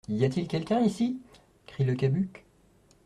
Y a-t-il quelqu'un ici ? crie Le Cabuc.